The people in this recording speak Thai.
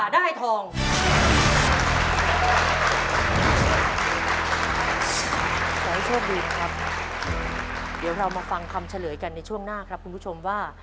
เดี๋ยวเรามาฟังคำเฉลยกันในช่วงหน้าครับคุณผู้ชมว่า